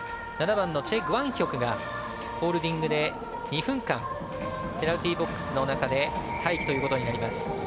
７番のチェ・グァンヒョクがホールディングで２分間ペナルティーボックスの中で待機ということになります。